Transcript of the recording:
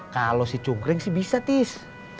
kalau si cunggring sih bisa tis